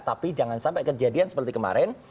tapi jangan sampai kejadian seperti kemarin